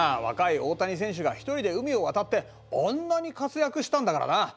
若い大谷選手が一人で海を渡ってあんなに活躍したんだからな。